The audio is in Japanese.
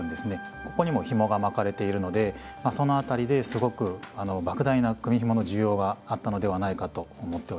ここにもひもが巻かれているのでその辺りですごくばく大な組みひもの需要があったのではないかと思っております。